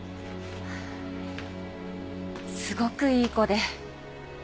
すごくいい子で。